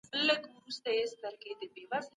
د کاغذ کیفیت د هغه زمانه معلوموي.